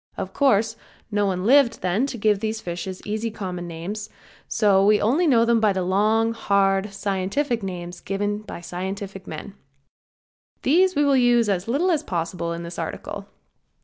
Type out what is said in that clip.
Of course, no one lived then to give fishes easy common names, and so we only know them by the long, hard scientific names given by scientific men. These we will use as little as possible in this article.